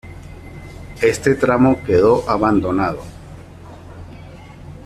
Este tramo quedó abandonado.